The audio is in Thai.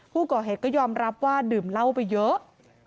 ผู้ก่อเหตุก็ยอมรับว่าดื่มเหล้าไปเยอะ